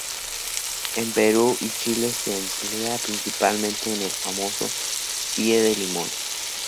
En Perú y Chile se emplea principalmente en el famoso "pie de limón".